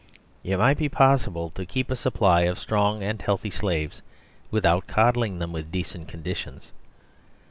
It might be possible to keep a supply of strong and healthy slaves without coddling them with decent conditions.